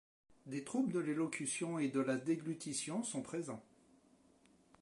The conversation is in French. Des troubles de l'élocution et de la déglutition sont présents.